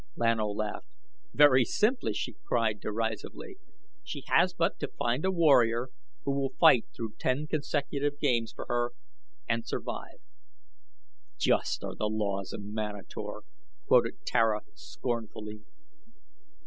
Lan O laughed. "Very simply," she cried, derisively. "She has but to find a warrior who will fight through ten consecutive games for her and survive." "'Just are the laws of Manator,'" quoted Tara, scornfully.